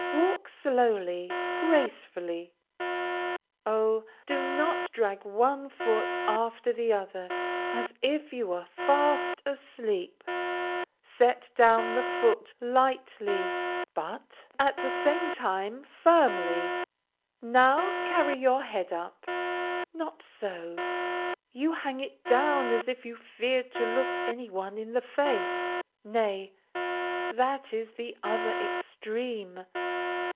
Walk slowly, gracefully! Oh, do not drag one foot after the other as if you were fast asleep set down the foot lightly, but at the same time firmly; now, carry your head up, not so; you hang it down as if you feared to look any one in the face! Nay, that is the other extreme!